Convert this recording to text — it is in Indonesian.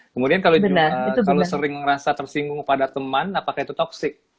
kemudian kalau sering rasa tersinggung pada teman apakah itu toxic